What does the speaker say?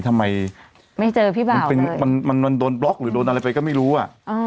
ทำไมไม่เจอพี่บ้านมันเป็นมันมันโดนบล็อกหรือโดนอะไรไปก็ไม่รู้อ่ะ